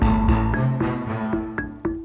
terima kasih bang